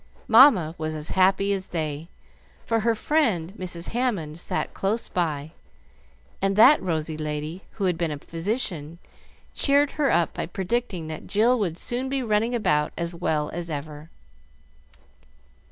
Mamma was as happy as they, for her friend, Mrs. Hammond, sat close by; and this rosy lady, who had been a physician, cheered her up by predicting that Jill would soon be running about as well as ever.